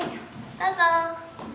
どうぞ。